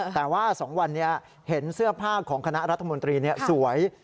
แต่ว่า๒วันนี้เห็นเสื้อผ้าของคณะรัฐมนตรีสวย